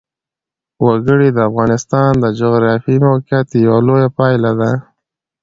وګړي د افغانستان د جغرافیایي موقیعت یوه لویه پایله ده.